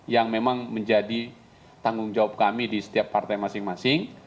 yang memang menjadi tanggung jawab kami di setiap partai masing masing